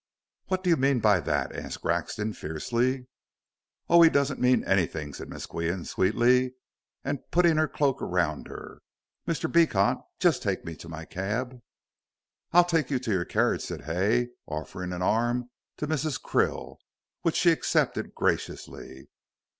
"What do you mean by that?" asked Grexon, fiercely. "Oh, he doesn't mean anything," said Miss Qian, sweetly, and putting her cloak round her. "Mr. Beecot, just take me to my cab." "I'll take you to your carriage," said Hay, offering an arm to Mrs. Krill, which she accepted graciously.